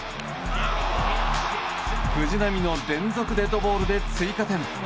藤浪の連続デッドボールで追加点。